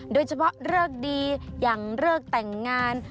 โดยเฉพาะเลิกดีอย่างเลิกแต่งงาน